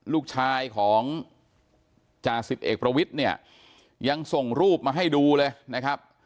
ลูกชายของจ่าสิบเอกประวิทย์เนี่ยยังส่งรูปมาให้ดูเลยนะครับ